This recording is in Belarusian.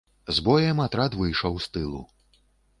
З боем атрад выйшаў з тылу.